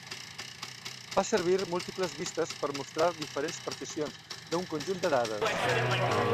Fa servir múltiples vistes per mostrar diferents particions de un conjunt de dades.